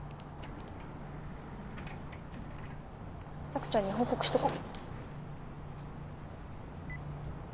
拓ちゃんに報告しとこ。